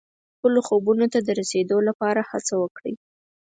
خپلو خوبونو ته د رسیدو لپاره هڅه وکړئ.